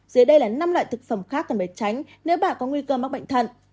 dưới đây là năm loại thực phẩm khác cần phải tránh nếu bạn có nguy cơ mắc bệnh thận